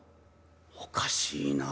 「おかしいな」。